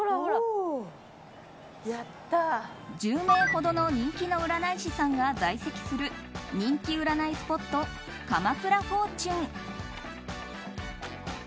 １０名ほどの人気の占い師さんが在籍する人気占いスポット鎌倉フォーチュン。